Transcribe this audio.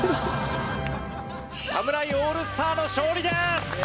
侍オールスターの勝利です！